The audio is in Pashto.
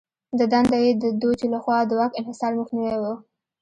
د دنده یې د دوج لخوا د واک انحصار مخنیوی و.